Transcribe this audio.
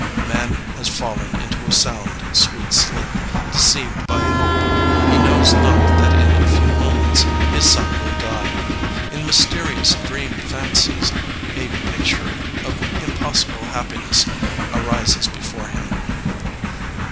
*'Man has fallen into a sound, sweet sleep, deceived by hope. ... He knows not that in a few moments his son will die. In mysterious dream fancies a picture of impossible happiness arises before him.''